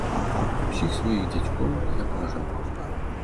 Усіх сваіх дзядзькоў я паважаў.